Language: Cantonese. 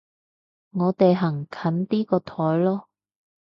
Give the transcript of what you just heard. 我哋行近啲個台囉